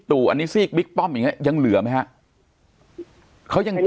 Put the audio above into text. ตู่อันนี้ซีกบิ๊กป้อมอย่างนี้ยังเหลือไหมฮะเขายัง